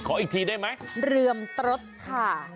ขออีกทีได้มั้ยเดี๋ยวนะเรือมตรัสค่ะ